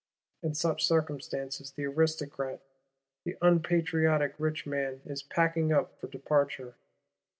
In such circumstances, the Aristocrat, the unpatriotic rich man is packing up for departure.